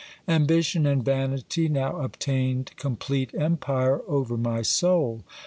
Ambition and vanity now obtained complete empire over my soul.